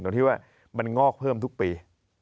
ตรงที่ว่ามันงอกเพิ่มทุกปี